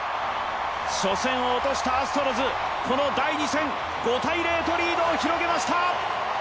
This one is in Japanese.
初戦を落としたアストロズこの第２戦、５−０とリードを広げました！